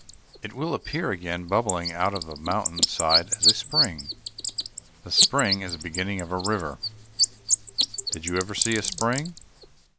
It will appear again, bubbling out of the mountain side as a spring. The spring is the beginning of a river. Did you ever see a spring?